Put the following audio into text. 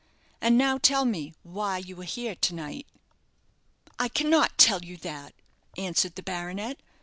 And now tell me why you are here to night?" "I cannot tell you that," answered the baronet.